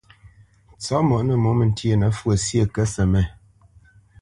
Tsopmǒ nǝ mǒmǝ ntyénǝ́ fwo syé kǝtʼsǝmét.